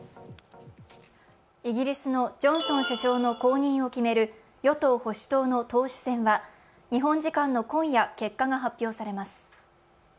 イギリスのジョンソン首相の後任を決める与党・保守党の党首選は日本時間の今夜、結果が発表されます。